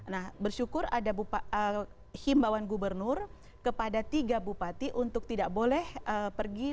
nah bersyukur ada himbawan gubernur kepada tiga bupati untuk tidak boleh pergi